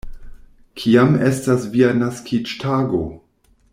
Kiam estas via naskiĝtago?